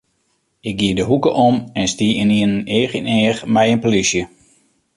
Ik gie de hoeke om en stie ynienen each yn each mei in polysje.